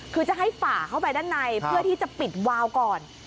คือจะให้ฝ่าเข้าไปด้านในเพื่อที่จะปิดวาวก่อน